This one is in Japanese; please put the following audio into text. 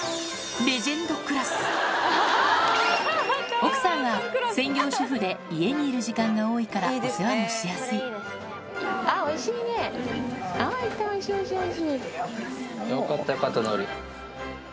奥さんは専業主婦で家にいる時間が多いからお世話もしやすいおいしいおいしいおいしい。